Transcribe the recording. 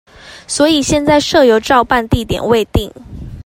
所以現在社遊照辦地點未定